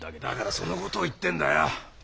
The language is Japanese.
だからその事を言ってんだよ。